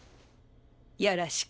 よろしく。